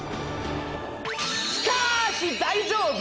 しかーし大丈夫！！